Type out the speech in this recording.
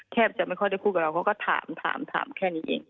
จะไม่ค่อยได้พูดกับเราเขาก็ถามถามแค่นี้เอง